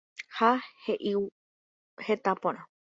Ha hey'u heta porã